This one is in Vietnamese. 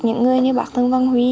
những người như bác thân văn huy